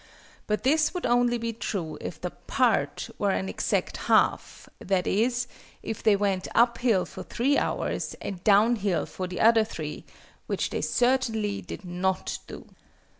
But this would only be true if the "part" were an exact half, i.e., if they went up hill for 3 hours, and down hill for the other 3: which they certainly did not do.